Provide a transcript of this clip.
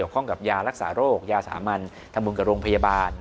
ก็คล้องกับยารักษาโรคยาสามัญธรรมกระโลงพยาบาล